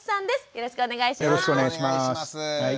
よろしくお願いします。